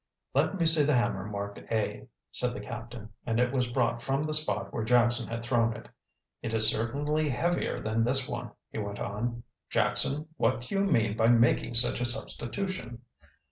"Let me see the hammer marked A," said the captain, and it was brought from the spot where Jackson had thrown it. "It is certainly heavier than this one," he went on. "Jackson, what do you mean by making such a substitution?"